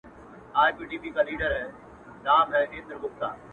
زه يې د ميني په چل څنگه پوه كړم ـ